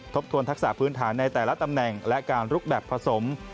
ทบทวนทักษะพื้นฐานในแต่ละตำแหน่งและการลุกแบบผสม